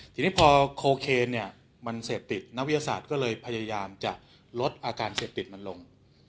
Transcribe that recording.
ทีนี้พอโคเคนเนี่ยมันเสพติดนักวิทยาศาสตร์ก็เลยพยายามจะลดอาการเสพติดมันลง